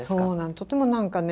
とても何かね